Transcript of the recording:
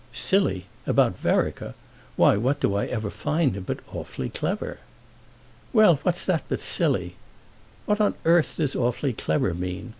"Silly—about Vereker! Why what do I ever find him but awfully clever?" "Well, what's that but silly? What on earth does 'awfully clever' mean?